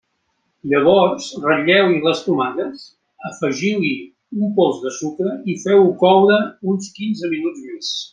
Llavors ratlleu-hi les tomates, afegiu-hi un pols de sucre i feu-ho coure uns quinze minuts més.